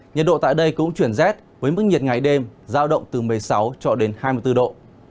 nhiệt độ tại đây cũng chuyển rét với mức nhiệt ngày đêm giao động từ một mươi sáu cho đến hai mươi bốn độ